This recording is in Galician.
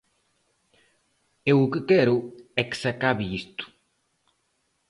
Eu o que quero é que se acabe isto.